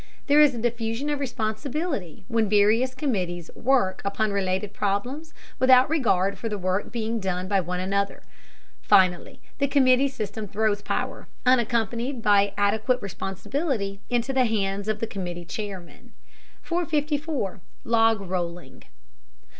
There is a diffusion of responsibility when various committees work upon related problems without regard for the work being done by one another. Finally, the committee system throws power, unaccompanied by adequate responsibility, into the hands of the committee chairman. 454 LOG ROLLING.